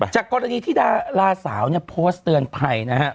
จากกรณีที่ดาราสาวเนี่ยโพสต์เตือนภัยนะฮะ